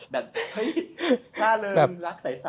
แบบห้าเริงรักใส